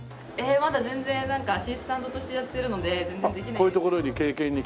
まだ全然アシスタントとしてやってるので全然できないんですけど。